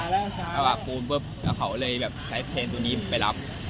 กระบะปูนปุ๊บแล้วเขาเลยแบบใช้เคนตรงนี้ไปรับ